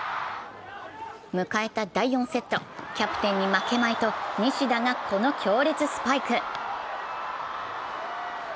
迎えた第４セット、キャプテンに負けまいと西田が、この強烈スパイク。